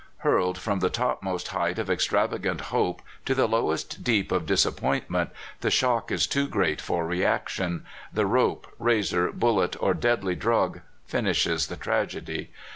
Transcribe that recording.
Hurled from the topmost height of extravagant hope to the lowest deep of disappointment, the shock is too great for reaction; the rope, razor, bullet, or deadl}' drug, finishes the tragedy.